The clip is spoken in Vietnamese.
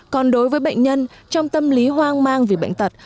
còn đối với bệnh nhân trong tâm lý hoang mang vì bệnh tật